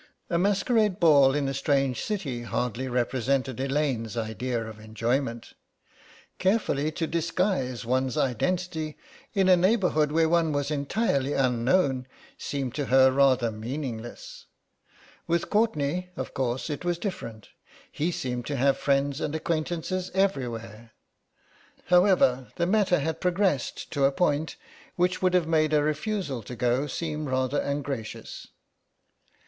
A masquerade ball in a strange city hardly represented Elaine's idea of enjoyment. Carefully to disguise one's identity in a neighbourhood where one was entirely unknown seemed to her rather meaningless. With Courtenay, of course, it was different; he seemed to have friends and acquaintances everywhere. However, the matter had progressed to a point which would have made a refusal to go seem rather ungracious.